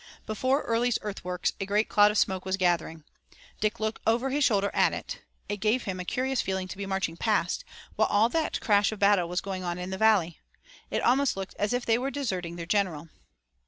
Before Early's earthworks a great cloud of smoke was gathering. Dick looked over his shoulder at it. It gave him a curious feeling to be marching past, while all that crash of battle was going on in the valley. It almost looked as if they were deserting their general.